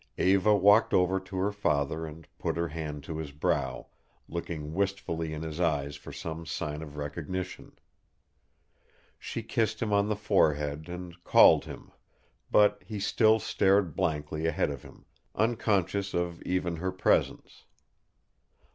Eva walked over to her father and put her hand to his brow, looking wistfully in his eyes for some sign of recognition. She kissed him on the forehead and called him, but he still stared blankly ahead of him, unconscious of even her presence.